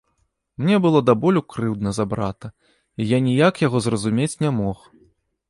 Мне было да болю крыўдна на брата, і я ніяк яго зразумець не мог.